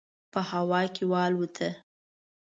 په هوا کې والوته.